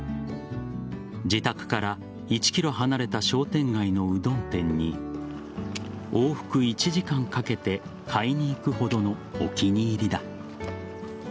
自宅から１ｋｍ離れた商店街のうどん店に往復１時間かけて買いに行くほどのお気に入りだ。